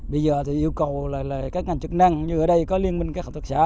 bây giờ thì yêu cầu là các ngành chức năng như ở đây có liên minh các hợp tác xã